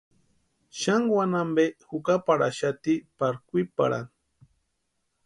Xani wani ampe jukaparhaxati pari kwiparhani.